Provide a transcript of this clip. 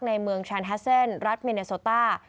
ในเมืองแชนฮัสเซ็นต์รัฐมิเนโซตา